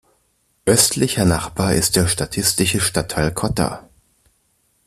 Östlicher Nachbar ist der statistische Stadtteil Cotta.